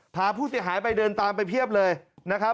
พาผู้เสียหายไปเดินตามไปเพียบเลยนะครับ